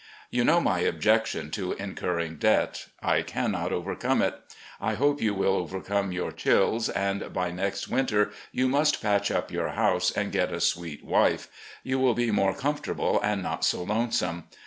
You know my objection to incurring debt. I cannot overcome it. ... I hope you will overcome your chills, and by next winter you must patch up your house, and get a sweet wife. You will be more comfortable, and not so lonesome.